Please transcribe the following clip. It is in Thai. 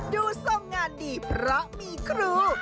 ดูสว่างงานนี่เพราะมีครู